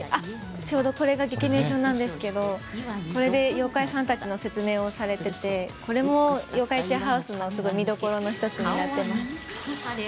ちょうど、これがゲキメーションなんですけどこれで妖怪さんたちの説明をされていてこれも「妖怪シェアハウス」の見どころの１つになっています。